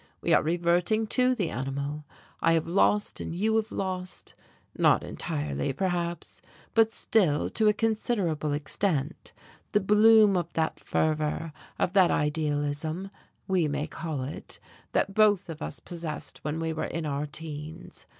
We are reverting to the animal. I have lost and you have lost not entirely, perhaps, but still to a considerable extent the bloom of that fervour, of that idealism, we may call it, that both of us possessed when we were in our teens.